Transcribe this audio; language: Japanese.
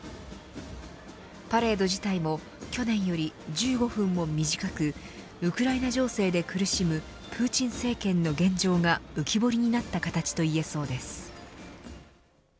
パレード自体も去年より１５分も短くウクライナ情勢で苦しむプーチン政権の現状が浮き彫りになった形と言えそうです。